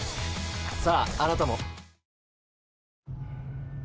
ああなたも。